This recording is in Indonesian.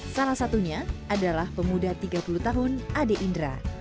salah satunya adalah pemuda tiga puluh tahun ade indra